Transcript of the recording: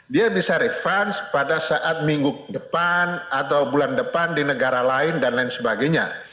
dia bisa revance pada saat minggu depan atau bulan depan di negara lain dan lain sebagainya